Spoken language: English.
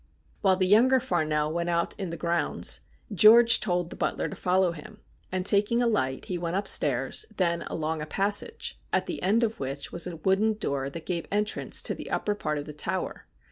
While the younger Farnell went out in the grounds, George told the butler to follow him, and taking a light he went upstairs, then along a passage, at the end of which was a wooden door that gave entrance to the upper part of the tower.